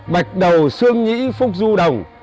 bạch đầu xương nhĩ phúc du đồng